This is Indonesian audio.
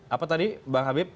apa tadi bang habib